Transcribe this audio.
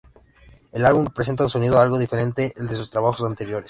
El álbum presenta un sonido algo diferente al de sus trabajos anteriores.